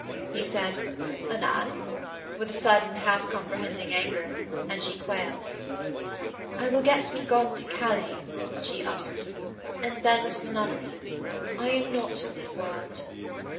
He said: 'Anan?' with a sudden, half comprehending anger, and she quailed. 'I will get me gone to Calais,' she uttered. 'And then to a nunnery. I am not for this world.'